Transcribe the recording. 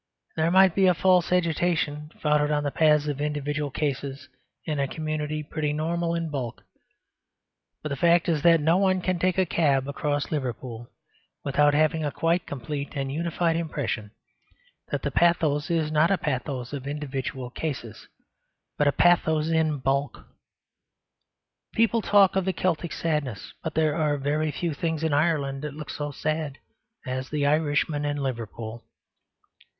There might be a false agitation founded on the pathos of individual cases in a community pretty normal in bulk. But the fact is that no one can take a cab across Liverpool without having a quite complete and unified impression that the pathos is not a pathos of individual cases, but a pathos in bulk. People talk of the Celtic sadness; but there are very few things in Ireland that look so sad as the Irishman in Liverpool.